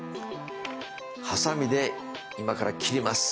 はさみで今から切ります。